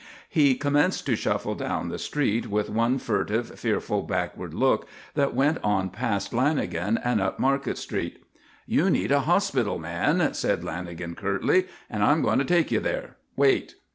He commenced to shuffle down the street, with one furtive, fearful, backward look that went on past Lanagan and up Market Street. "You need a hospital, man," said Lanagan curtly, "and I'm going to take you there. Wait."